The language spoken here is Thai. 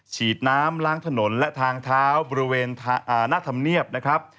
ฉีดน้ำล้างถนนและทางเท้าบริเวณหน้าธรรมเนียบนะครับ